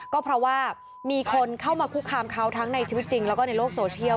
ก็เพราะว่ามีคนเข้ามาคุกคามเขาทั้งในชีวิตจริงแล้วก็ในโลกโซเชียล